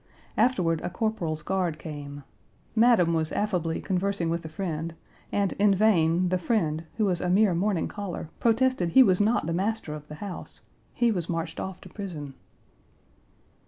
Afterward, a corporal's guard came. Madam was affably conversing with a friend, and in vain, the friend, who was a mere morning caller, protested he was not the master of the house; he was marched off to prison.